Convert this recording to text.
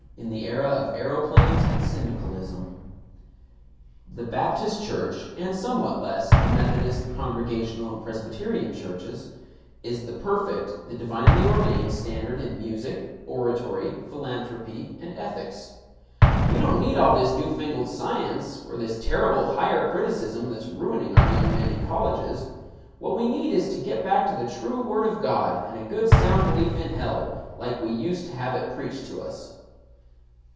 . in the era of aeroplanes and syndicalism: The Baptist Church (and, somewhat less, the Methodist, Congregational, and Presbyterian Churches) is the perfect, the divinely ordained standard in music, oratory, philanthropy, and ethics. "We don't need all this new fangled science, or this terrible Higher Criticism that's ruining our young men in colleges. What we need is to get back to the true Word of God, and a good sound belief in hell, like we used to have it preached to us."